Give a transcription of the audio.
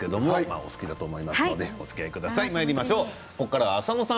お好きだと思いますのでおつきあいください。